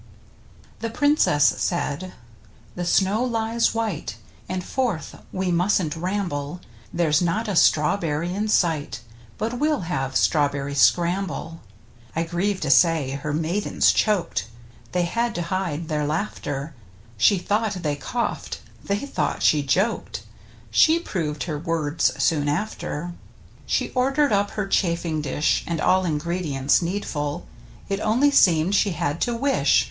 The Princess said, " The snow lies white, And forth we mustn't ramble, There's not a strawberry in sight. But we'll have Strawberry Scramble." (I grieve to say her maidens choked, They had to hide their laughter — She thought they coughed, they thought she joked — She proved her words soon after.) She ordered up her chafing dish, And all ingredients needful. It only seemed she had to wish.